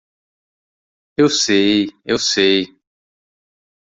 Eu sei, eu sei.